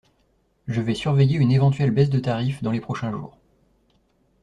Je vais surveiller une éventuelle baisse de tarif dans les prochains jours.